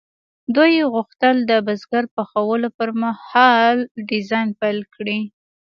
دوی غوښتل د برګر پخولو پرمهال ډیزاین پیل کړي